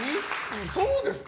そうですか？